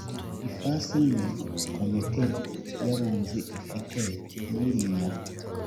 ifasi imwe komite y abunzi ifite niriya